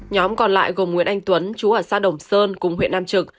nhóm còn lại gồm nguyễn anh tuấn chú ở xã đồng sơn cùng huyện nam trực